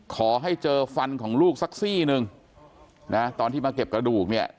ขอให้เจอฟันของลูกสักซี่หนึ่งนะตอนที่มาเก็บกระดูกเนี่ย